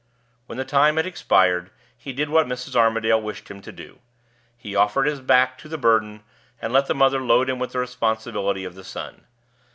When the time had expired, he did what Mrs. Armadale wished him to do he offered his back to the burden, and let the mother load him with the responsibility of the son.